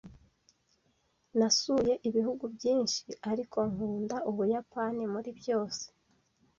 Nasuye ibihugu byinshi, ariko nkunda Ubuyapani muri byose.